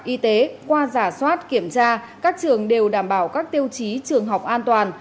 y tế qua giả soát kiểm tra các trường đều đảm bảo các tiêu chí trường học an toàn